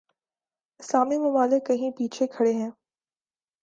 اسلامی ممالک کہیں پیچھے کھڑے ہیں۔